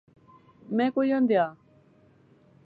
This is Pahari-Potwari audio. میں کویاں دیاں؟